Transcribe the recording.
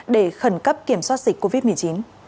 để khẩn cấp kiểm soát dịch covid một mươi chín